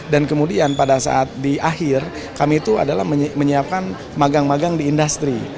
dan kemudian pada saat di akhir kami itu adalah menyiapkan magang magang di industri